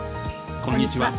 こんにちは。